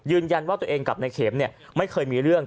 ยืนยันว่าตัวเองกลับในเข็มเนี่ยไม่เคยมีเรื่อง